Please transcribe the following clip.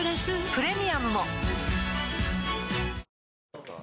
プレミアムも